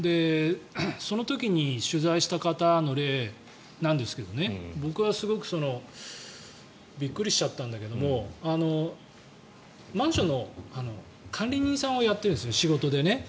その時に取材した方の例ですけど僕はすごくびっくりしちゃったんだけどもマンションの管理人さんをやっているんですよね、仕事で。